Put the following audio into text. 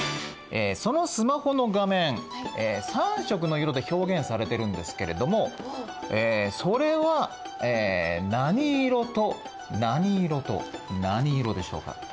そのスマホの画面３色の色で表現されてるんですけれどもそれは何色と何色と何色でしょうか？